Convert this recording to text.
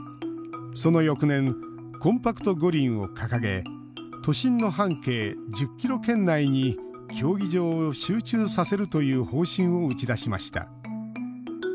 その翌年「コンパクト五輪」を掲げ都心の半径１０ｋｍ圏内に競技場を集中させるという方針を打ち出しました。